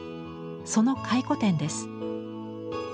その回顧展です。